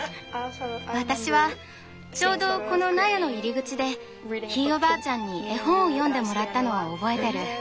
私はちょうどこの納屋の入り口でひいおばあちゃんに絵本を読んでもらったのは覚えてる。